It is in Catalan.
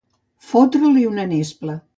Fotre-li una nespla.